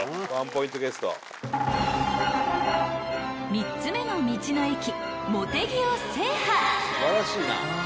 ［３つ目の道の駅もてぎを制覇］